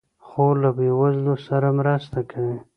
خور له بېوزلو سره مرسته کوي.